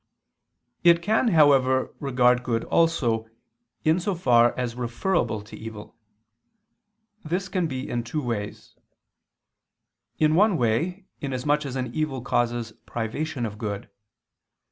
It can, however, regard good also, in so far as referable to evil. This can be in two ways. In one way, inasmuch as an evil causes privation of good.